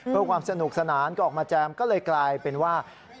เพื่อความสนุกสนานก็ออกมาแจมก็เลยกลายเป็นว่า